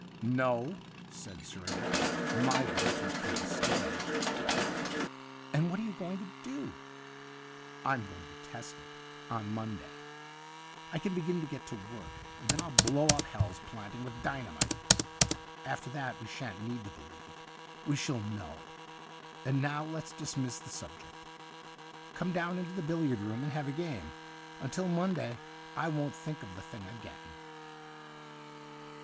' No,' said Sir Edric, ' my belief has come to stay.' ' And what are you going to do }'' I'm going to test it. On Monday 160 THE UNDYING THING I can begin to get to work, and then I'll blow up Hal's Planting with dynamite. After that we shan't need to believe — we shall know. And now let's dismiss the subject. Come down into the billiard room and have a game. Until Monday I won't think of the thing again.'